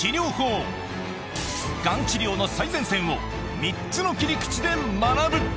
がん治療の最前線を３つの切り口で学ぶ